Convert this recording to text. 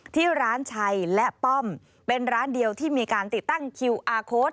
ที่ร้านชัยและป้อมเป็นร้านเดียวที่มีการติดตั้งคิวอาร์โค้ด